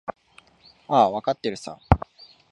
ああ、わかってるさ。